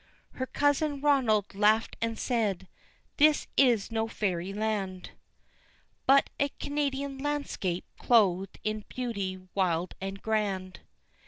Her cousin Ronald laughed and said, "This is no fairyland, But a Canadian landscape clothed in beauty wild and grand."